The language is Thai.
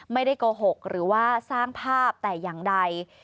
ไม่ได้โกหกหรือว่าสร้างภาพแต่อย่างใด